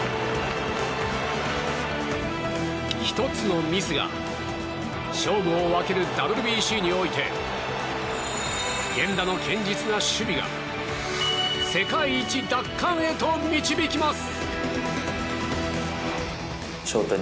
１つのミスが勝負を分けるＷＢＣにおいて源田の堅実な守備が世界一奪還へと導きます。